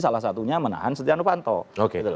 salah satunya menahan siti anufanto oke